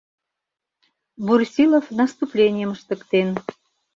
Брусилов наступленийым ыштыктен.